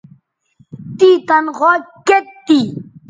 تیں تنخوا کیئت تھی